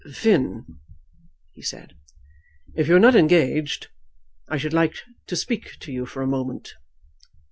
"Finn," he said, "if you are not engaged I should like to speak to you for a moment."